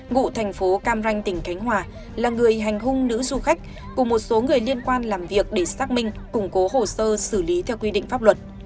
ngụ thành phố cam ranh tỉnh khánh hòa là người hành hung nữ du khách cùng một số người liên quan làm việc để xác minh củng cố hồ sơ xử lý theo quy định pháp luật